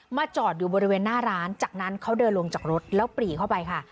จอดอยู่บริเวณหน้าร้านจากนั้นเขาเดินลงจากรถแล้วปรีเข้าไปค่ะ